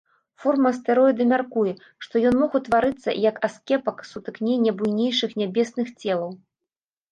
Форма астэроіда мяркуе, што ён мог утварыцца як аскепак сутыкнення буйнейшых нябесных целаў.